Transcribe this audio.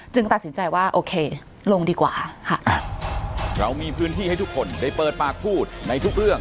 จึงสัดสินใจว่าโอเคลงดีกว่าค่ะ